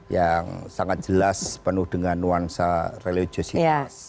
yang sangat jelas penuh dengan nuansa religiositas